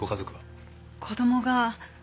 子供が。